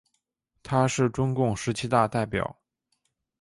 他是中共十七大代表。